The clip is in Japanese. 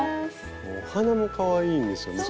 お花もかわいいんですよね。